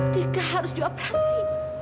tiga harus dioperasi